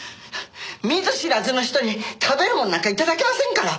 見ず知らずの人に食べる物なんか頂けませんから！